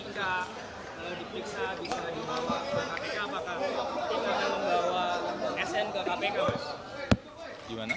jika dipriksa bisa dibawa ke kpk apakah tim akan membawa sn ke kpk